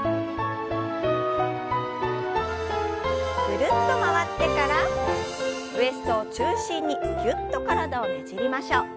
ぐるっと回ってからウエストを中心にぎゅっと体をねじりましょう。